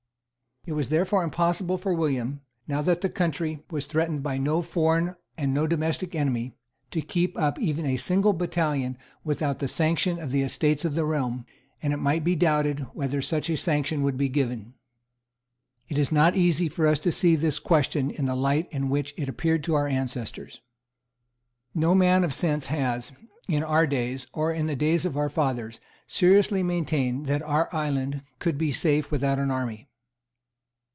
It was therefore impossible for William, now that the country was threatened by no foreign and no domestic enemy, to keep up even a single battalion without the sanction of the Estates of the Realm; and it might well be doubted whether such a sanction would be given. It is not easy for us to see this question in the light in which it appeared to our ancestors. No man of sense has, in our days, or in the days of our fathers, seriously maintained that our island could be safe without an army.